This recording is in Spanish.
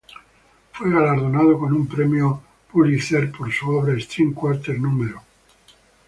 Fue galardonado con un Premio Pulitzer por su obra "String Quartet No.